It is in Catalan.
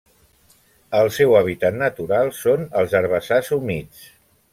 El seu hàbitat natural són els herbassars humits.